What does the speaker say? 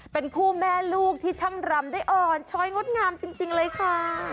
เป็นคู่แม่ลูกที่ช่างรำได้อ่อนช้อยงดงามจริงเลยค่ะ